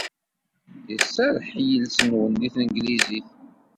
Iserreḥ yiles-nwen deg tanglizit.